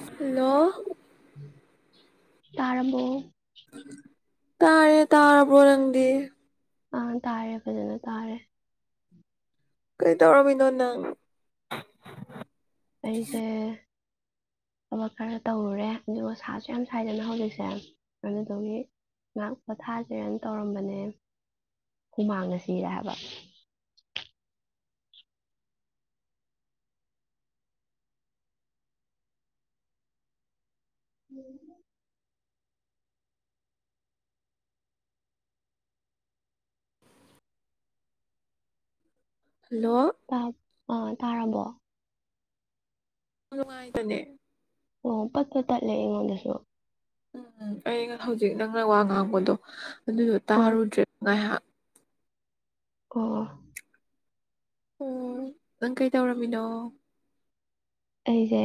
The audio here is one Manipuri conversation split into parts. ꯍꯜꯂꯣ ꯇꯥꯔꯔꯕꯣ ꯎꯝ ꯇꯥꯔꯦ ꯇꯔꯕ ꯂꯪꯗ ꯑꯥ ꯇꯥꯔꯦ ꯐꯖꯅ ꯇꯥꯔꯦ ꯀꯩ ꯇꯧꯔꯃꯤ ꯅꯣꯅ ꯑꯩꯁꯦ ꯊꯕꯛ ꯈꯔ ꯇꯧꯔꯨꯔꯦ ꯑꯗꯨꯒ ꯁꯥꯁꯨ ꯌꯥꯝ ꯁꯥꯏꯗꯅ ꯍꯧꯖꯤꯛꯁꯦ ꯑꯗꯨꯗꯨꯒꯤ ꯉꯥꯛ ꯄꯣꯊꯥꯁꯦꯅ ꯇꯧꯔꯝꯕꯅꯦ ꯍꯨꯃꯥꯡꯗ ꯁꯤꯔꯦ ꯍꯥꯏꯕ ꯎꯝ ꯍꯂꯣ ꯑ ꯇꯥꯔꯔꯕꯣ ꯅꯨꯡꯉꯥꯏꯇꯅꯦ ꯑꯣ ꯄꯠꯄ ꯇꯠꯂꯦ ꯑꯩꯉꯣꯟꯗꯁꯨ ꯎꯝ ꯎꯝ ꯑꯩꯅ ꯍꯧꯖꯤꯛ ꯅꯪꯅ ꯋꯥ ꯉꯥꯡꯕꯗꯣ ꯑꯗꯨꯗꯣ ꯑꯥ ꯇꯥꯔꯨꯗ꯭ꯔꯦ ꯉꯥꯏꯍꯥꯛ ꯑꯣ ꯑꯣ ꯅꯪ ꯀꯩ ꯇꯧꯔꯝꯃꯤꯅꯣ ꯑꯩꯁꯦ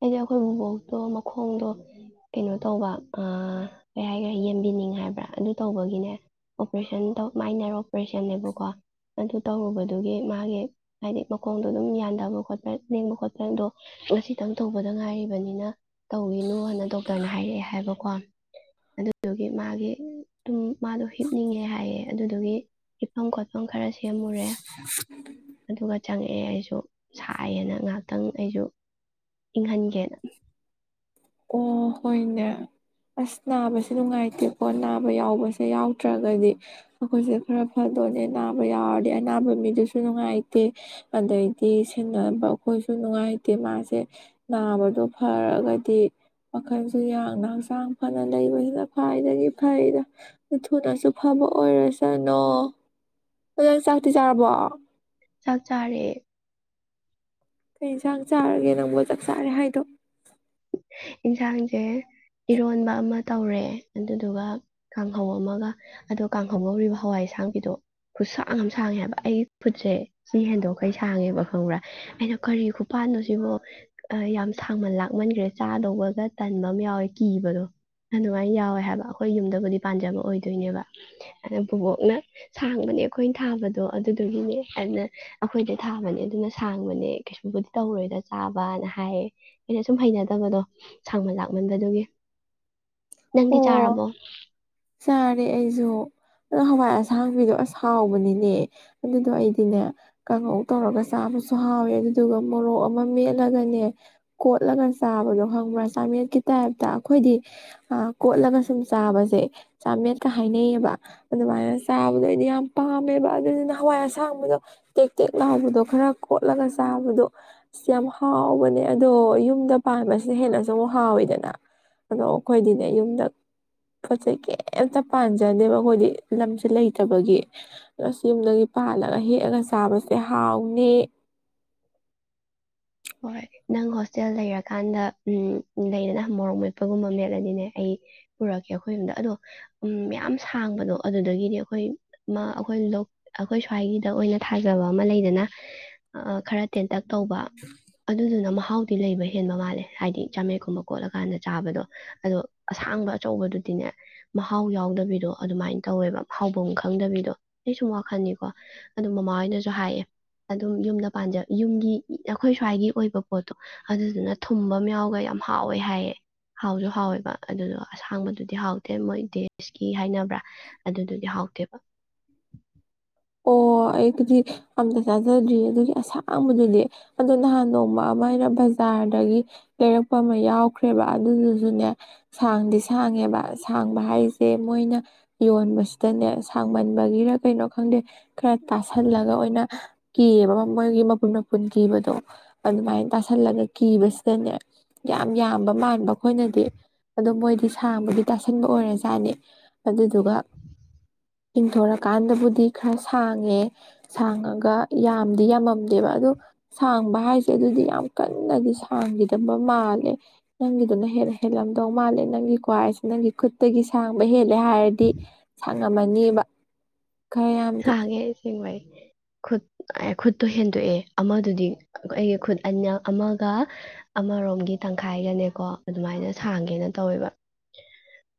ꯑꯩꯁꯦ ꯑꯩꯈꯣꯏ ꯕꯣꯛꯇꯣ ꯃꯈꯣꯡꯗꯣ ꯀꯩꯅꯣ ꯇꯧꯕ ꯀꯩ ꯍꯥꯏꯒꯔꯦ ꯌꯦꯟꯕꯤꯅꯤꯡ ꯍꯥꯏꯕ꯭ꯔꯥ ꯑꯗꯨ ꯇꯧꯕꯒꯤꯅꯦ ꯑꯣꯄꯔꯦꯁꯟꯧ ꯃꯥꯏꯅꯔ ꯑꯣꯄꯔꯦꯁꯟꯅꯦꯕꯀꯣ ꯑꯗꯨ ꯇꯧꯔꯨꯕꯗꯨꯒꯤ ꯃꯥꯒꯤ ꯍꯥꯏꯗꯤ ꯃꯈꯣꯡꯗꯣ ꯑꯗꯨꯝ ꯌꯥꯟꯗꯕ ꯈꯣꯠꯄ ꯂꯦꯡꯕ ꯈꯣꯠꯄ ꯪꯗꯣ ꯉꯁꯤꯇꯪ ꯇꯧꯕꯗ ꯉꯥꯏꯔꯤꯕꯅꯤꯅ ꯇꯧꯋꯤꯅꯣꯅ ꯗꯣꯛꯇꯔꯅ ꯍꯥꯏꯔꯛꯑꯦ ꯍꯥꯏꯕ ꯀꯣ ꯑꯗꯨꯗꯨꯒꯤ ꯃꯥꯒꯤ ꯇꯨꯡ ꯃꯥꯗꯣ ꯍꯤꯞꯅꯤꯡꯉꯦ ꯍꯥꯏꯌꯦꯦ ꯑꯗꯨꯗꯨꯒꯤ ꯏꯤꯐꯝ ꯈꯣꯠꯐꯝ ꯈꯔꯁꯤ ꯁꯦꯝꯃꯨꯔꯦ ꯑꯗꯨꯒ ꯆꯪꯉꯛ ꯑꯦ ꯑꯩꯁꯨ ꯁꯥꯏꯌꯦꯅ ꯉꯥꯛꯇ ꯈꯤꯇꯪ ꯑꯩꯁꯨ ꯏꯪꯍꯟꯒꯦꯅ ꯑꯣ ꯍꯣꯏꯅꯦ ꯑꯁ ꯅꯥꯕꯁꯦ ꯅꯨꯡꯉꯥꯏꯇꯦꯀꯣ ꯅꯥꯕ ꯌꯥꯎꯕꯁꯦ ꯌꯥꯎꯗ꯭ꯔꯒꯗꯤ ꯑꯩꯈꯣꯏꯁꯦ ꯈꯔ ꯐꯗꯣꯅꯦ ꯅꯥꯕ ꯌꯥꯎꯔꯗꯤ ꯑꯅꯥꯕ ꯃꯤꯗꯨꯁꯨ ꯅꯨꯡꯉꯥꯏꯇꯦ ꯑꯗꯩꯗꯤ ꯁꯦꯟꯅꯕ ꯑꯩꯈꯣꯏꯁꯨ ꯅꯨꯡꯉꯥꯏꯇꯦ ꯃꯥꯁꯦ ꯅꯥꯕꯗꯣ ꯐꯔꯒꯗꯤ ꯋꯥꯈꯜꯁꯨ ꯌꯥꯡꯅ ꯍꯛꯆꯥꯡ ꯐꯅ ꯂꯩꯕꯁꯤꯅ ꯈ꯭ꯋꯥꯏꯗꯒꯤ ꯐꯩꯗ ꯊꯨꯅꯁꯨ ꯐꯕ ꯑꯣꯏꯔꯁꯅꯨ ꯐꯖꯅ ꯆꯥꯛꯇꯤ ꯆꯥꯔꯕꯣ ꯆ ꯆꯔꯦ ꯀꯩ ꯌꯦꯟꯁꯥꯡ ꯆꯥꯔꯒꯦ ꯅꯪꯕꯨꯣ ꯆꯥꯛ ꯆꯥꯔꯦ ꯍꯥꯏꯗꯣ ꯏꯟꯖꯥꯡꯁꯦ ꯏꯔꯣꯣꯟꯕꯃ ꯇꯧꯔꯦ ꯑꯗꯨꯗꯨꯒ ꯀꯥꯡꯍꯧ ꯑꯃꯒ ꯑꯗꯣ ꯀꯥꯡꯍꯧ ꯂꯧꯔꯤꯕ ꯍꯋꯥꯏ ꯑꯁꯥꯡꯕꯤꯗꯣ ꯈꯨꯠꯁꯥꯡ ꯑꯃ ꯁꯥꯡꯉꯦ ꯍꯥꯏꯕ ꯑꯩ ꯐꯨꯠꯁꯦ ꯁꯤ ꯍꯦꯟꯗꯣꯛꯈꯩ ꯁꯥꯡꯉꯦꯕ ꯈꯪꯕ꯭ꯔꯥ ꯑꯩꯅ ꯀꯔꯤ ꯈꯨꯄꯥꯟꯅꯣ ꯁꯤꯕꯣ ꯌꯥꯝ ꯁꯥꯡꯃꯟ ꯂꯥꯛꯃꯟꯈ꯭ꯔꯦ ꯆꯥꯗꯧꯕꯒ ꯇꯟꯕ ꯑꯃ ꯌꯥꯎꯋꯦ ꯀꯤꯕꯗꯣ ꯑꯗꯨꯃꯥꯏꯅ ꯌꯥꯎꯋꯦ ꯍꯥꯏꯕ ꯑꯩꯈꯣꯏ ꯌꯨꯝꯗꯕꯨꯗꯤ ꯄꯥꯟꯖꯕ ꯑꯣꯏꯗꯣꯏꯅꯦꯕ ꯑꯗꯨꯅ ꯄꯨꯕꯣꯛꯅ ꯁꯥꯡꯕꯅꯦ ꯑꯩꯈꯣꯏꯅ ꯊꯥꯕꯗꯣ ꯑꯗꯨꯗꯨꯒꯤꯅꯦ ꯑꯗꯨꯅ ꯑꯩꯈꯣꯏꯗ ꯊꯥꯕꯅꯦ ꯑꯗꯨꯅ ꯁꯥꯡꯕꯅꯦ ꯀꯩꯁꯨꯕꯨꯗꯤ ꯇꯧꯔꯣꯏꯗ ꯆꯥꯕꯅ ꯍꯥꯏꯌꯦ ꯑꯩꯅ ꯁꯨꯝ ꯍꯩꯅ ꯐꯠꯇꯕꯗꯣ ꯁꯥꯡꯃꯟ ꯂꯥꯛꯃꯟꯕꯗꯨꯒꯤ ꯅꯪꯗꯤ ꯑꯣ ꯆꯥꯔꯕꯣ ꯁꯥꯔꯦ ꯑꯩꯁꯨ ꯑꯗꯣ ꯍꯋꯥꯏ ꯑꯁꯥꯡꯕꯤꯗꯣ ꯑꯁ ꯍꯥꯎꯕꯅꯤꯅꯦ ꯑꯗꯨꯗꯣ ꯑꯩꯗꯤꯅꯦ ꯀꯥꯡꯉꯧ ꯇꯧꯔꯒ ꯆꯥꯕꯁꯨ ꯍꯥꯎꯋꯦ ꯑꯗꯨꯗꯨꯒ ꯃꯣꯔꯣꯛ ꯑꯃ ꯃꯦꯠꯂꯒꯅꯦ ꯀꯣꯠꯂꯒ ꯆꯥꯕꯗꯣ ꯍꯪꯕ꯭ꯔꯥ ꯆꯥꯃꯦꯠꯀꯤ ꯇꯥꯏꯞꯇ ꯑꯩꯈꯣꯏꯗꯤ ꯀꯣꯠꯂꯒ ꯁꯨꯝ ꯆꯥꯕꯁꯦ ꯆꯥꯃꯦꯠꯀ ꯍꯥꯏꯅꯩꯌꯦꯕ ꯑꯗꯨꯃꯥꯏꯅ ꯆꯥꯕꯗꯣ ꯑꯩꯗꯤ ꯌꯥꯝ ꯄꯥꯝꯃꯦꯕ ꯑꯗꯨꯗꯨꯅ ꯍꯋꯥꯏ ꯑꯁꯥꯡꯕꯗꯣ ꯇꯦꯛ ꯇꯦꯛ ꯂꯥꯎꯕꯗꯣ ꯈꯔ ꯀꯣꯠꯂꯒ ꯆꯥꯕꯗꯣ ꯌꯥꯝ ꯍꯥꯎꯕꯅꯦ ꯑꯗꯣ ꯌꯨꯝꯗ ꯄꯥꯟꯕꯁꯤꯗ ꯍꯦꯟꯅꯁꯨ ꯑꯃꯨꯛ ꯍꯥꯎꯋꯤꯗꯅ ꯑꯗꯣ ꯑꯩꯈꯣꯏꯗꯤ ꯌꯨꯝꯗ ꯄꯣꯠ ꯆꯩꯩ ꯀꯩꯝꯇ ꯄꯥꯟꯖꯅꯦꯕ ꯑꯩꯈꯣꯏꯗꯤ ꯂꯝꯁꯦ ꯂꯩꯇꯕꯒꯤ ꯑ ꯌꯨꯝꯗꯒꯤ ꯄꯥꯜꯂꯒ ꯍꯦꯛꯑꯒ ꯆꯥꯕꯁꯦ ꯍꯥꯎꯅꯤ ꯍꯣꯏ ꯅꯪ ꯍꯣꯁꯇꯦꯜ ꯂꯩꯔꯀꯥꯟꯗ ꯎ ꯂꯩꯗꯅ ꯃꯣꯔꯣꯛ ꯃꯦꯠꯄꯒꯨꯝꯕ ꯃꯦꯠꯂꯅꯤꯅꯦ ꯑꯩ ꯄꯨꯔꯛꯀꯦ ꯑꯩꯈꯣꯏ ꯌꯣꯝꯗ ꯑꯗꯣ ꯃ ꯁꯥꯡꯕꯗꯣ ꯑꯗꯨꯗꯒꯤꯗꯤ ꯑꯩꯈꯣꯏ ꯑꯩꯈꯣꯏ ꯑꯩꯈꯣꯏ ꯁ꯭ꯋꯥꯏꯒꯤꯗ ꯑꯣꯏꯅ ꯊꯥꯖꯕ ꯑꯃ ꯂꯩꯗꯅ ꯈꯔ ꯇꯦꯟꯇꯛ ꯇꯧꯕ ꯑꯗꯨꯗꯨꯅ ꯃꯍꯥꯎꯗꯤ ꯂꯩꯕ ꯍꯦꯟꯕ ꯃꯥꯜꯂꯦ ꯍꯥꯏꯗꯤ ꯆꯥꯃꯦꯦꯛꯀꯨꯝꯕ ꯀꯣꯠꯂꯀꯥꯟꯗ ꯆꯥꯕꯗꯣ ꯑꯗꯣ ꯑꯁꯥꯡꯕ ꯑꯆꯧꯕꯗꯨꯗꯤꯅꯦ ꯃꯍꯥꯎ ꯌꯥꯎꯗꯕꯤꯗꯣ ꯑꯗꯨꯃꯥꯏꯅ ꯇꯧꯋꯦꯕ ꯃꯍꯥꯎꯐꯝ ꯈꯪꯗꯕꯤꯗꯣ ꯑꯩ ꯁꯨꯝ ꯋꯥꯈꯟꯅꯤꯀꯣ ꯑꯗꯨ ꯃꯃꯥ ꯍꯣꯏꯅꯁꯨ ꯍꯥꯏꯑꯦ ꯑꯗꯨꯝ ꯌꯨꯝꯗ ꯄꯥꯟꯖ ꯌꯨꯝꯒꯤ ꯑꯩꯈꯣꯏ ꯁ꯭ꯋꯥꯏꯒꯤ ꯑꯣꯏꯕ ꯄꯣꯠꯇꯣ ꯑꯗꯨꯗꯨꯅ ꯊꯨꯝꯕ ꯌꯥꯎꯒ ꯌꯥꯝ ꯍꯥꯎꯋꯦ ꯍꯥꯏꯌꯦꯦ ꯍꯥꯎꯁꯨ ꯍꯥꯎꯋꯦꯕ ꯑꯗꯨꯗꯣ ꯑꯁꯥꯡꯕꯗꯨꯗꯤ ꯍꯥꯎꯇꯦ ꯃꯣꯏ ꯗꯦꯁꯀꯤ ꯍꯥꯏꯅꯕ꯭ꯔꯥ ꯑꯗꯨꯗꯨꯗꯤ ꯍꯥꯎꯇꯦꯕ ꯑꯣ ꯑꯩꯕꯨꯗꯤ ꯑꯝꯇ ꯆꯥꯖꯗ꯭ꯔꯤꯌꯦ ꯑꯗꯨꯒꯤ ꯑꯁꯥꯡꯕꯗꯨꯗꯤ ꯑꯗꯣ ꯅꯍꯥꯟ ꯅꯣꯡꯃ ꯑꯃ ꯑꯩꯅ ꯕꯖꯥꯔꯗꯒꯤ ꯂꯩꯔꯛꯄ ꯑꯃ ꯌꯥꯎꯈ꯭ꯔꯦꯕ ꯑꯗꯨꯗꯨꯁꯨꯅꯦ ꯁꯥꯡꯗꯤ ꯁꯥꯡꯉꯦꯕ ꯑ ꯁꯥꯡꯕ ꯍꯥꯏꯁꯦ ꯃꯣꯏꯅ ꯌꯣꯟꯕꯁꯤꯗꯅꯦ ꯃꯟꯕꯒꯤꯔ ꯀꯩꯅꯣ ꯈꯪꯗꯦ ꯈꯔ ꯇꯥꯁꯜꯂꯒ ꯑꯣꯏꯅ ꯀꯤꯌꯦꯕ ꯃꯣꯏꯒꯤ ꯃꯄꯨꯟ ꯃꯄꯨꯟ ꯀꯤꯕꯗꯣ ꯑꯗꯨꯃꯥꯏꯅ ꯇꯥꯁꯜꯂꯒ ꯀꯤꯕꯁꯤꯗꯅꯦ ꯌꯥꯝ ꯌꯥꯝꯕ ꯃꯥꯟꯕ ꯑꯩꯈꯣꯏꯅꯗꯤ ꯑꯣ ꯃꯣꯏꯗꯤ ꯁꯥꯡꯕꯗꯤ ꯇꯥꯁꯟꯕ ꯑꯣꯏꯔꯖꯥꯠꯅꯤ ꯑꯗꯨꯗꯨꯒ ꯌꯦꯤꯡꯊꯣꯔꯀꯥꯟꯗꯕꯨꯗꯤ ꯈꯔ ꯁꯥꯡꯉꯦ ꯁꯥꯡꯉꯒ ꯌꯥꯝꯗꯤ ꯌꯥꯝꯃ ꯗꯦꯕ ꯑꯗꯣ ꯁꯥꯡꯕ ꯍꯥꯏꯁꯦ ꯑꯗꯨꯗꯤ ꯌꯥꯝ ꯀꯟꯅꯗꯤ ꯁꯥꯡꯈꯤꯗꯕ ꯃꯥꯜꯂꯦ ꯅꯪꯒꯤꯗꯨꯅ ꯍꯦꯟꯅ ꯍꯦꯜꯂꯝꯗꯧ ꯃꯥꯜꯂꯦ ꯅꯪꯒꯤ ꯀ꯭ꯋꯥꯏꯁꯦ ꯅꯪꯒꯤ ꯈꯨꯠꯇꯒꯤ ꯁꯥꯡꯕ ꯍꯦꯜꯂꯦ ꯍꯥꯏꯔꯗꯤ ꯁꯥꯡꯉꯝꯃꯅꯤ ꯈꯔ ꯌꯥꯝꯗꯤꯦ ꯑꯦꯡꯕꯩ ꯈꯨꯠ ꯈꯨꯠꯇꯣ ꯍꯦꯟꯗꯣꯛꯑꯦ ꯑꯃꯗꯨꯗꯤ ꯑꯩꯒꯤ ꯈꯨꯠ ꯑꯅꯤ ꯑꯃꯒ ꯑꯃꯔꯣꯝꯒꯤ ꯇꯪꯈꯥꯏꯒꯅꯦꯀꯣ ꯑꯗꯨꯃꯥꯏꯅ ꯁꯥꯡꯒꯦꯅ ꯇꯧꯋꯦꯕ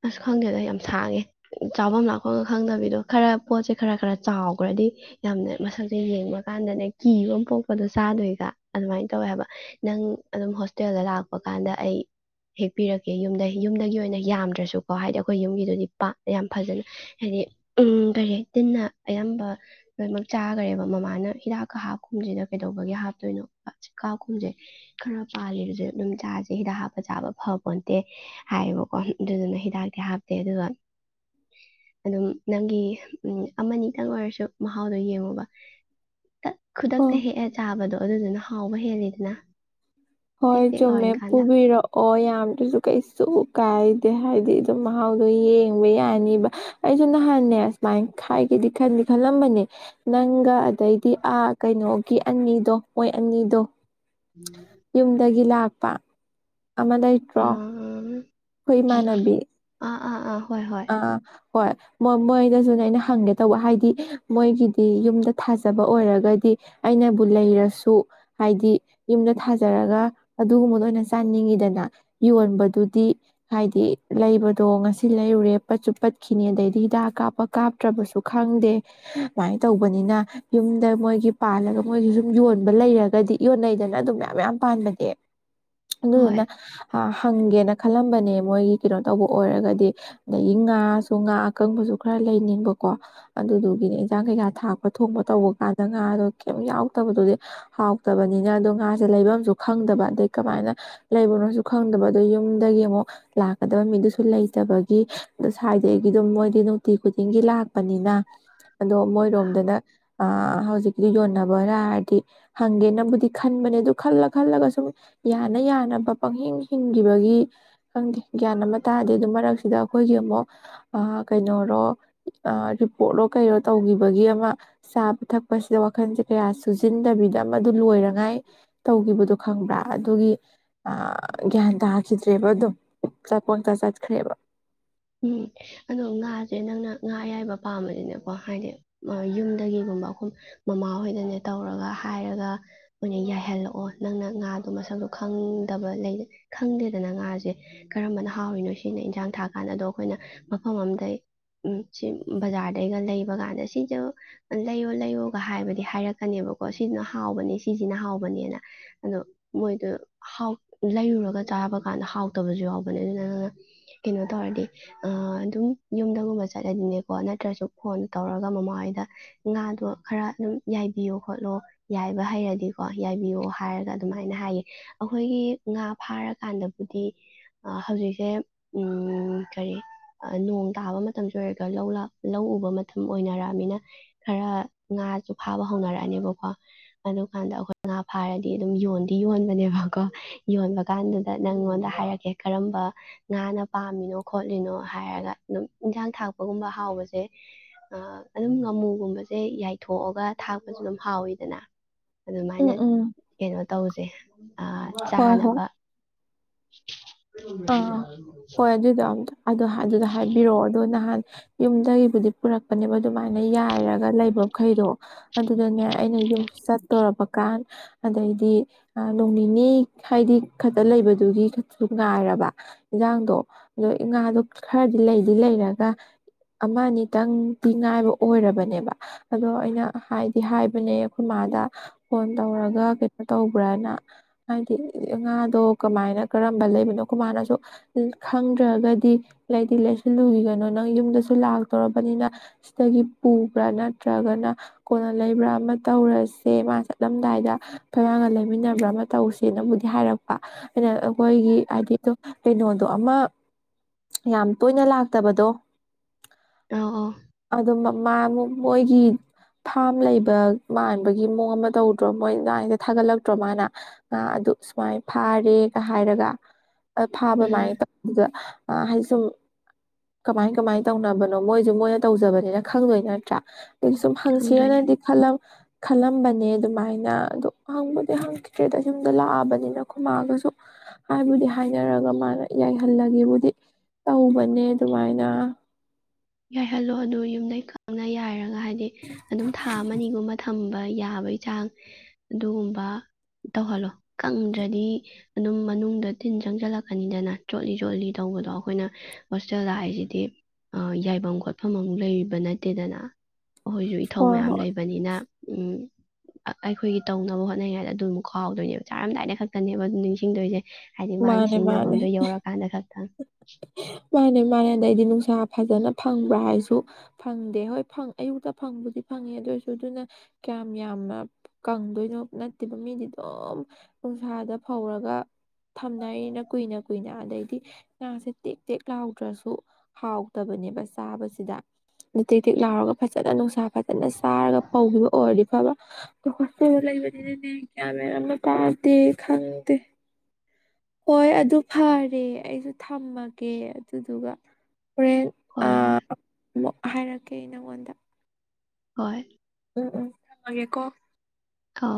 ꯑꯁ ꯈꯪꯗꯦꯗꯣ ꯌꯥꯝ ꯁꯥꯡꯉꯦ ꯆꯥꯐꯝ ꯂꯥꯛꯐꯝꯒ ꯈꯪꯗꯕꯤꯗꯣ ꯈꯔ ꯄꯣꯠꯁꯦ ꯈꯔ ꯈꯔ ꯆꯥꯎꯈ꯭ꯔꯗꯤ ꯌꯥꯝꯅ ꯃꯁꯛꯁꯦ ꯌꯦꯡꯕ ꯀꯥꯟꯗꯅꯦ ꯀꯤꯕ ꯄꯣꯛꯄꯗꯣ ꯆꯥꯗꯣꯏꯒ ꯑꯗꯨꯃꯥꯏꯅ ꯇꯧꯋꯦ ꯍꯥꯏꯕ ꯅꯪ ꯑꯗꯨꯝ ꯍꯣꯁꯇꯦꯜꯗ ꯂꯥꯛꯄ ꯀꯥꯟꯗ ꯑꯩ ꯍꯦꯛꯄꯤꯔꯛꯀꯦ ꯌꯨꯝꯗ ꯌꯨꯝꯗꯒꯤ ꯑꯣꯏꯅ ꯌꯥꯝꯗ꯭ꯔꯁꯨꯀꯣ ꯍꯥꯏꯗꯤ ꯑꯩꯈꯣꯏ ꯌꯨꯝꯒꯤꯗꯨꯗꯤ ꯌꯥꯝ ꯐꯖꯅ ꯍꯥꯏꯗꯤ ꯎ ꯀꯔꯤ ꯇꯤꯟꯅ ꯑꯌꯥꯝꯕ ꯂꯣꯏꯅꯃꯛ ꯆꯥꯈꯔꯦꯕ ꯃꯃꯥꯅ ꯍꯤꯗꯥꯛꯀ ꯍꯥꯞꯈꯨꯝꯁꯤꯅ ꯀꯩꯗꯧꯕꯒꯤ ꯍꯥꯞꯇꯣꯏꯅꯣ ꯆꯀꯥꯈꯨꯝꯁꯦ ꯈꯔ ꯄꯥꯜꯂꯤꯕꯁꯨꯦ ꯑꯗꯨꯝ ꯆꯥꯁꯦ ꯍꯤꯗꯥꯛ ꯍꯥꯞꯄ ꯆꯥꯕ ꯐꯄꯣꯟꯇꯦ ꯍꯥꯏꯌꯦꯕꯀꯣ ꯑꯗꯨꯗꯨꯅ ꯍꯤꯗꯥꯛꯇꯤ ꯍꯥꯞꯇꯦ ꯑꯗꯨꯒ ꯑꯗꯨꯝ ꯅꯪꯒꯤ ꯎꯝ ꯑꯃꯅꯤꯇꯪ ꯑꯣꯏꯔꯁꯨ ꯃꯍꯥꯎꯗꯣ ꯌꯦꯡꯉꯣꯕ ꯈꯨꯗꯛꯇ ꯍꯣꯏ ꯍꯦꯛꯑ ꯆꯥꯕꯗꯣ ꯑꯗꯨꯗꯨꯅ ꯍꯥꯎꯕ ꯍꯗꯅ ꯍꯣꯏ ꯆꯨꯝꯃꯦ ꯄꯨꯕꯤꯔꯛꯑꯣ ꯌꯥꯝꯗ꯭ꯔꯁꯨ ꯀꯩꯁꯨ ꯀꯥꯏꯗꯦ ꯍꯥꯏꯗꯤ ꯑꯗꯨꯝ ꯃꯍꯥꯎꯗꯣ ꯌꯦꯡꯕ ꯌꯥꯅꯤꯕ ꯑꯩꯁꯨ ꯅꯍꯥꯟꯅꯦ ꯑꯁꯨꯃꯥꯏꯅ ꯈꯥꯏꯒꯦꯗꯤ ꯈꯟꯗꯤ ꯈꯜꯂꯝꯕꯅꯦ ꯅꯪꯒ ꯑꯗꯩꯗꯤ ꯑꯥ ꯀꯩꯅꯣꯒꯤ ꯑꯅꯤꯗꯣ ꯑꯣꯏ ꯑꯅꯤꯗꯨ ꯎꯝ ꯇ ꯑꯃꯗꯩ ꯇ꯭ꯔ ꯑꯥ ꯍꯨꯣꯏꯃꯥꯟꯕꯤ ꯎꯥ ꯑ ꯑꯥ ꯍꯣꯏ ꯃꯣꯏ ꯃꯣꯏꯗꯁꯨꯅꯦ ꯑꯩꯅ ꯍꯪꯒꯦ ꯇꯧꯕ ꯍꯥꯏꯗꯤ ꯃꯣꯏꯒꯤꯗꯤ ꯌꯨꯝꯗ ꯊꯥꯖꯕ ꯑꯣꯏꯔꯒꯗꯤ ꯑꯩꯅꯕꯨ ꯂꯩꯔꯁꯨ ꯍꯥꯏꯗꯤ ꯌꯨꯝꯗ ꯊꯥꯖꯔꯒ ꯑꯗꯨꯒꯨꯝꯕꯗ ꯑꯣꯏꯅ ꯆꯥꯅꯤꯡꯉꯤꯗꯅ ꯌꯣꯟꯕꯗꯨꯗꯤ ꯍꯥꯏꯗꯤ ꯂꯩꯕꯗꯣ ꯉꯁꯤ ꯩꯔ ꯔꯦꯞꯄ ꯆꯨꯞꯄꯠꯈꯤꯅꯤ ꯑꯗꯩꯗꯤ ꯍꯤꯗꯥꯛ ꯀꯥꯞꯄ ꯀꯥꯞꯇ꯭ꯔꯕꯁꯨ ꯈꯪꯗꯦ ꯁꯨꯃꯥꯏꯅ ꯇꯧꯕꯅꯤꯅ ꯌꯨꯝꯗ ꯃꯣꯏꯒꯤ ꯄꯥꯜꯂꯒ ꯃꯣꯏꯒꯤ ꯁꯨꯝ ꯌꯣꯟꯕ ꯂꯩꯔꯒꯗꯤ ꯌꯣꯟꯅꯩꯗꯅ ꯑꯗꯨꯝ ꯃꯌꯥꯝ ꯌꯥꯝ ꯄꯥꯟꯕꯅꯦ ꯍꯣꯏ ꯑꯗꯨꯅ ꯑ ꯍꯪꯒꯦꯅ ꯈꯜꯂꯝꯕꯅꯦ ꯃꯣꯏꯒꯤ ꯀꯩꯅꯣ ꯇꯧꯕ ꯑꯣꯏꯔꯒꯗꯤ ꯑꯗꯒꯤ ꯉꯥꯁꯨ ꯉꯥ ꯑꯀꯪꯕꯁꯨ ꯈꯔ ꯂꯩꯅꯤꯡꯕꯀꯣ ꯑꯗꯨꯗꯨꯒꯤꯅꯦ ꯏꯟꯖꯥꯡ ꯀꯩꯀꯥ ꯊꯥꯛꯄ ꯊꯣꯡꯕ ꯇꯧꯕ ꯀꯥꯟꯗ ꯉꯥꯗꯣ ꯀꯩꯝ ꯌꯥꯎꯗꯕꯗꯨꯗꯤ ꯍꯥꯎꯇꯕꯅꯤꯅ ꯑꯗꯣ ꯉꯥꯁꯦ ꯂꯩꯕ ꯑꯃꯁꯁꯨ ꯈꯪꯗꯕ ꯑꯗꯩ ꯀꯃꯥꯏꯅ ꯂꯩꯕꯅꯣꯁꯨ ꯈꯪꯗꯕ ꯑꯗ ꯌꯨꯝꯗꯒꯤ ꯑꯃꯨꯛ ꯂꯥꯛꯀꯗꯕ ꯃꯤꯗꯨꯁꯨ ꯂꯩꯇꯕꯒꯤ ꯒꯤ ꯑ ꯁ꯭ꯋꯥꯏ ꯑꯩꯗꯒꯤ ꯑꯗꯨꯝ ꯃꯣꯏꯗꯤ ꯅꯨꯡꯇꯤ ꯈꯨꯗꯤꯡꯒꯤ ꯂꯥꯛ ꯑꯣ ꯃꯣꯏꯔꯣꯗ ꯍꯧꯖꯤ ꯌꯣꯟꯅꯕꯔ ꯍꯥꯏꯔꯗꯤ ꯍꯪꯒꯦ ꯇꯤ ꯈꯟꯕꯅꯦ ꯑꯗꯨ ꯈꯜꯂ ꯈꯜꯂꯒ ꯁꯨꯝ ꯌꯥꯅ ꯌꯥꯅꯕ ꯄꯪꯍꯤꯡ ꯍꯤꯡꯈꯤꯕꯒꯤ ꯈꯪꯗꯦ ꯒ꯭ꯌꯥꯟ ꯑꯃ ꯇꯥꯔꯗꯤ ꯑꯗꯨꯝ ꯃꯔꯛ ꯁꯤꯗ ꯑꯩꯈꯣꯏꯒꯤ ꯑꯃꯨꯛ ꯀꯩꯅꯣꯔꯣ ꯔꯤꯄꯣꯔꯠꯔꯣ ꯀꯔꯣ ꯇꯧꯈꯤꯕꯒꯤ ꯑꯃ ꯆꯥꯕ ꯊꯛꯄꯁꯤꯗ ꯋꯥꯈꯜꯁꯦ ꯀꯌꯥ ꯁꯨꯖꯤꯟꯗꯕꯤꯗ ꯃꯗꯨ ꯂꯣꯏꯅꯉꯥꯏ ꯇꯧꯈꯤꯕꯗꯣ ꯈꯪꯕ꯭ꯔꯥ ꯑꯗꯨꯒꯤ ꯑ ꯒ꯭ꯌꯥꯟ ꯇ ꯍꯥꯈꯤꯗ꯭ꯔꯦꯕ ꯑ ꯑꯗꯨꯣ ꯆꯥꯛꯄꯣꯟꯆꯥ ꯆꯠꯈ꯭ꯔꯦꯕ ꯎꯝ ꯑꯗꯣ ꯉꯥꯁꯦ ꯅꯪꯅ ꯉꯥ ꯑ ꯌꯥꯏꯕ ꯄꯥꯝꯕꯕꯁꯤꯅꯀꯣ ꯍꯥꯏꯗꯤ ꯌꯨꯝꯗꯒꯤꯒꯨꯝꯕ ꯑꯩꯈꯨꯝ ꯃꯃꯥꯍꯣꯏꯗꯅꯦ ꯇꯧꯔꯒ ꯍꯥꯏꯔꯒ ꯑꯩꯣꯏ ꯑꯣꯏꯅ ꯌꯥꯏꯍꯜꯂꯛꯑꯣ ꯅꯪꯅ ꯉꯥꯗꯣ ꯃꯁꯛꯗꯣ ꯈꯪꯗꯕ ꯂꯩ ꯈꯪꯗꯦꯗꯅ ꯉꯥꯁꯦ ꯀꯔꯝꯕꯅ ꯍꯥꯎꯔꯤꯅꯣ ꯁꯤꯅ ꯏꯟꯁꯥꯡ ꯊꯥꯛ ꯀꯥꯟꯗ ꯑꯗꯣ ꯑꯩꯈꯣꯏꯅ ꯃꯐꯝ ꯑꯝꯗꯒꯤꯩ ꯎꯝ ꯁꯤ ꯕꯖꯥꯔꯗꯩꯒ ꯂꯩꯕ ꯀꯥꯟꯗ ꯁꯤꯁꯨ ꯂꯩꯌꯣ ꯂꯩꯌꯣꯒ ꯍꯥꯏꯕꯗꯤ ꯍꯥꯏꯔꯛꯀꯅꯦꯕꯀꯣ ꯁꯤꯁꯤꯅ ꯍꯥꯎꯕꯅꯦ ꯁꯤꯁꯤꯅ ꯍꯥꯎꯕꯅꯦꯅ ꯑꯗꯣ ꯃꯣꯏꯗꯣꯥꯎ ꯂꯩꯔꯨꯔꯒ ꯆꯥꯕ ꯀꯥꯟꯗ ꯍꯥꯎꯇꯕꯁꯨ ꯍꯥꯎꯕꯅꯦ ꯑꯗꯨꯅ ꯑꯗꯨꯅ ꯀꯣ ꯇꯧꯔꯗꯤ ꯑꯗꯨꯝ ꯌꯨꯝꯗꯒꯨꯝꯕ ꯆꯠꯂꯗꯤꯅꯦꯀꯣ ꯅꯠꯇ꯭ꯔꯁꯨ ꯐꯣꯟ ꯇꯧꯔꯒ ꯃꯃꯥ ꯍꯣꯏꯗ ꯉꯥꯗꯣ ꯈꯔ ꯑꯗꯨꯝ ꯌꯥꯏꯕꯤꯌꯣ ꯈꯣꯠꯂꯣ ꯌꯥꯏꯕ ꯍꯩꯔꯗꯤꯀꯣ ꯌꯥꯏꯕꯤꯌꯣ ꯍꯥꯏꯔꯒ ꯑꯗꯨꯃꯥꯏꯅ ꯍꯥꯏꯌꯦ ꯑꯩꯈꯣꯏꯒꯤ ꯉꯥ ꯐꯥꯔꯀꯥꯟꯗꯕꯨꯗꯤ ꯍꯧꯖꯤꯛꯁꯦ ꯎ ꯎ ꯀꯔꯤ ꯅꯣꯡ ꯇꯥꯕ ꯃꯇꯝꯁꯨ ꯑꯣꯏꯔꯒ ꯂꯧ ꯂꯧ ꯎꯕ ꯃꯇꯝ ꯑꯣꯏꯅꯔꯛꯑꯃꯤꯅ ꯈꯔ ꯉꯥꯁꯨ ꯐꯥꯕ ꯍꯧꯅꯔꯛꯑꯅꯦꯕꯀꯣ ꯑꯗꯨ ꯀꯥꯟꯗ ꯑꯩꯈꯣꯏ ꯉꯥ ꯐꯥꯔꯗꯤ ꯑꯗꯨꯝ ꯌꯣꯟꯗꯤ ꯌꯣꯟꯕꯅꯦꯕꯀꯣ ꯌꯣꯟꯕ ꯀꯥꯟꯗꯨꯗ ꯅꯪꯉꯣꯟꯗ ꯍꯥꯏꯔꯛꯀꯦ ꯀꯔꯝꯕ ꯉꯥꯅ ꯄꯥꯝꯃꯤꯅꯣ ꯈꯣꯠꯂꯤꯅꯣ ꯍꯥꯏꯔꯒ ꯑꯗꯨꯝ ꯏꯟꯖꯥꯡ ꯊꯥꯛꯄꯒꯨꯝꯕ ꯍꯥꯎꯕꯁꯦ ꯑꯗꯨꯝ ꯉꯥꯃꯨꯒꯨꯝꯕꯁꯦ ꯌꯥꯏꯊꯣꯛꯑꯒ ꯊꯥꯛ ꯑꯗꯨꯝ ꯍꯥꯎꯋꯤꯗꯅ ꯎꯝ ꯑꯗꯨꯃꯥꯏꯅ ꯎꯝ ꯀꯩꯅꯣ ꯇꯧꯁꯦ ꯍꯣꯏ ꯆꯥꯅꯕ [unintelligible] ꯑ ꯍꯣꯏ ꯑꯗꯨꯗ ꯏ ꯑꯗꯣ ꯑꯗꯨꯗ ꯍꯥꯏꯕꯤꯔꯛꯑꯣ ꯑꯗꯣ ꯅꯍꯥꯟ ꯌꯨꯝꯗꯒꯤꯕꯨꯗꯤ ꯄꯨꯔꯛꯄꯅꯦꯕ ꯑꯗꯨꯃꯥꯏꯅ ꯌꯥꯏꯔꯒ ꯂꯩꯕ ꯃꯈꯩꯗꯣ ꯑꯗꯨꯗꯅꯦ ꯑꯩꯅ ꯌꯨꯝꯁꯨ ꯆꯠꯇꯣꯔꯔꯕꯀꯥꯟ ꯑꯗꯩꯗꯤ ꯅꯣꯡ ꯅꯤꯅꯤ ꯍꯥꯏꯗꯤ ꯈꯛꯇ ꯂꯩꯕꯗꯨꯒꯤ ꯉꯥꯏ ꯏꯟꯖꯥꯡꯗꯣ ꯑꯗꯣ ꯉꯥꯗꯣ ꯈꯔꯗꯤ ꯂꯩꯗꯤ ꯂꯩꯔꯒ ꯑꯃ ꯑꯅꯤꯇꯪꯗꯤꯤ ꯉꯥꯏꯕ ꯑꯣꯏꯔꯕꯅꯦꯕ ꯑꯗꯣ ꯑꯩꯅ ꯍꯥꯏꯗꯤ ꯍꯥꯏꯕꯅꯦ ꯑꯩꯈꯣꯏ ꯃꯥꯗ ꯐꯣꯟ ꯇꯧꯔꯒ ꯀꯩꯅꯣ ꯇꯧꯕ꯭ꯔꯅ ꯍꯥꯏꯗꯤ ꯉꯥꯗꯣ ꯀꯃꯥꯏꯅ ꯀꯔꯝꯕ ꯂꯩꯕꯅꯣ ꯀ ꯃꯥꯅꯁꯨ ꯈꯪꯗ꯭ꯔꯒꯗꯤ ꯂꯩꯗꯤ ꯂꯩꯁꯤꯜꯂꯨꯈꯤꯒꯅꯣ ꯅꯪ ꯌꯨꯝꯗꯁꯨ ꯂꯥꯛꯇꯧꯔꯕꯅꯤꯅ ꯁꯤꯗꯒꯤ ꯄꯨꯕ꯭ꯔꯥ ꯅꯠꯇ꯭ꯔꯒꯅ ꯀꯣꯟꯅ ꯂꯩꯕ꯭ꯔꯥ ꯑꯃ ꯇꯧꯔꯁꯦ ꯃꯥ ꯆꯠꯂꯝꯗꯥꯏꯗ ꯈꯣꯏꯔꯒ ꯂꯩꯃꯤꯟꯅꯕ꯭ꯔꯥ ꯑꯃ ꯇꯧꯁꯦꯅꯕꯨꯗꯤ ꯍꯥꯏꯔꯛꯄ ꯑꯩꯅ ꯑꯩꯈꯣꯏꯒꯤ ꯍꯥꯏꯗꯤ ꯑꯗꯨ ꯀꯩꯅꯣꯗꯣ ꯑꯃ ꯌꯥꯝ ꯇꯣꯏꯅ ꯂꯥꯛꯇꯕꯗꯣ ꯑꯧ ꯑ ꯃꯥ ꯃꯣꯏꯒꯤ ꯐꯥꯝ ꯂꯩꯕ ꯃꯥꯟꯕꯒꯤ ꯃꯑꯣꯡ ꯑꯃ ꯇꯧꯗ꯭ꯔꯣ ꯃꯣꯏ ꯗꯥꯗ ꯊꯥꯒꯠꯂꯛꯇ꯭ꯔꯣ ꯃꯥꯅ ꯉꯥ ꯑꯗꯨ ꯁꯨꯃꯥꯏꯅ ꯐꯥꯔꯦꯒ ꯍꯥꯏꯔꯒ ꯎꯝ ꯐꯥꯕꯃꯥꯏꯅ ꯇꯧꯕꯗ ꯑꯩ ꯁꯨꯝ ꯀꯃꯥꯏ ꯀꯃꯥꯏ ꯇꯧꯅꯕꯅꯣ ꯃꯣꯏꯁꯨ ꯃꯣꯏꯅ ꯇꯧꯖꯕꯅꯤꯅ ꯈꯪꯗꯣꯏ ꯅꯠꯇ꯭ꯔꯥ ꯑꯗꯨ ꯁꯨꯝ ꯈꯪꯗꯣꯏꯅꯦ ꯐꯪꯁꯦꯅꯗꯤ ꯈꯂꯝ ꯈꯜꯂꯝꯕꯅꯦ ꯑꯗꯨꯃꯥꯏꯅ ꯑꯗꯣ ꯍꯪꯕꯨꯗꯤ ꯍꯪꯈꯤꯗ꯭ꯔꯦꯗ ꯁꯨꯝꯗ ꯂꯥꯛꯑꯕꯅꯤꯅ ꯈꯨꯃꯑꯒꯁꯨ ꯍꯥꯏꯕꯨꯗꯤ ꯍꯥꯏꯅꯔꯒ ꯃꯥꯅ ꯌꯥꯏꯍꯜꯂꯒꯕꯨꯗꯤ ꯇꯧꯕꯅꯦ ꯑꯗꯨꯃꯥꯏꯅ ꯌꯥꯏꯍꯜꯂꯣ ꯑꯗꯨ ꯌꯨꯝꯗꯩ ꯈꯪꯅ ꯌꯥꯏꯔꯒ ꯍꯥꯏꯗꯤ ꯑꯗꯨꯝ ꯊꯥ ꯑꯒꯨꯝꯕ ꯊꯝꯕ ꯌꯥꯕꯩ ꯆꯥꯡ ꯑꯗꯨꯒꯨꯝꯕ ꯇꯧꯍꯜꯂꯣ ꯀꯪꯗ꯭ꯔꯗꯤ ꯑꯗꯨꯝ ꯃꯅꯨꯡꯗ ꯇꯤꯟ ꯆꯪꯁꯤꯜꯂꯛꯀꯅꯤꯗꯅ ꯆꯣꯠꯂꯤ ꯆꯣꯠꯂꯤ ꯇꯧꯕꯗꯣ ꯑꯩꯈꯣꯏꯅ ꯍꯣꯁꯇꯦꯜꯗꯥꯛꯏꯁꯤꯗꯤ ꯐꯐꯝ ꯈꯣꯠꯐꯝ ꯑꯃ ꯂꯩꯔꯤꯕ ꯅꯠꯇꯦꯗꯅ ꯑꯩꯈꯣꯏꯁꯨ ꯏꯊꯧ ꯍꯣꯏ ꯃꯌꯥꯝ ꯍꯣꯏ ꯂꯩꯕꯅꯤꯅ ꯎ ꯑꯩꯈꯣꯏꯒꯤ ꯇꯧꯅꯕ ꯍꯣꯠꯅꯔꯤꯉꯥꯏꯗ ꯑꯗꯨ ꯑꯃꯨꯛ ꯈꯥꯎꯍꯥꯎꯗꯣꯏꯅꯦꯕ ꯆꯥꯔꯝꯗꯥꯏꯗ ꯈꯛꯇꯅꯦꯕ ꯑꯗꯨ ꯅꯤꯡꯁꯤꯡꯗꯣꯏꯁꯦ ꯍꯥꯏꯗꯤ ꯃꯥꯒꯤ ꯃꯥꯅꯦ ꯃꯥꯅꯦ ꯁꯤꯖꯤꯟꯅꯐꯝꯗꯣ ꯌꯧꯔꯀꯥꯟꯗ ꯈꯛ ꯃꯥꯅꯦ ꯃꯥꯅꯦꯗꯏꯗꯅ ꯅꯨꯡꯁꯥ ꯐꯖꯅ ꯐꯪꯕ꯭ꯔꯥ ꯍꯥꯏꯁꯨ ꯐꯪꯗꯦ ꯍꯣꯏ ꯑꯌꯨꯛꯇ ꯐꯪꯕꯨꯗꯤ ꯐꯪꯉꯦ ꯑꯗꯨꯏꯁꯨ ꯑꯗꯨꯅ ꯀꯌꯥꯝ ꯌꯥꯝꯅ ꯀꯪꯗꯣꯏꯅꯣ ꯅꯠꯇꯦꯕ ꯃꯤꯗꯤ ꯑꯗꯨꯝ ꯅꯨꯡꯁꯥꯗ ꯐꯧꯔꯒ ꯊꯝꯅꯔꯤꯅ ꯀꯨꯏꯅ ꯀꯨꯏꯅ ꯑꯗꯩꯗꯤ ꯉꯥꯁꯦ ꯇꯦꯛ ꯇꯦꯛ ꯂꯥꯎꯗ꯭ꯔꯁꯨ ꯍꯥꯎꯗꯕꯅꯦꯕ ꯆꯥꯕꯁꯤꯗ ꯑꯗ ꯇꯦꯛ ꯇꯦꯛ ꯂꯥꯎꯔꯒ ꯐꯖꯅ ꯅꯨꯡꯁꯥ ꯐꯖꯅ ꯆꯥꯔꯒ ꯐꯧꯈꯤꯕ ꯑꯣꯏꯔꯗꯤ ꯐꯕꯕ ꯂꯩꯕꯅꯤꯅꯅꯦꯥꯦ ꯈꯪꯗꯦ ꯍꯣꯏ ꯑꯗꯨ ꯐꯔꯦ ꯑꯩꯁꯨ ꯊꯝꯃꯒꯦ ꯑꯗꯨꯗꯨꯒ ꯔꯦ ꯍꯣꯏ ꯑ ꯍꯣꯏ ꯍꯥꯏꯔꯛꯀꯦ ꯅꯪꯉꯣꯟꯗ ꯍꯣꯏ ꯎꯝ ꯎꯝ ꯊꯃꯒꯦꯀꯣ ꯑ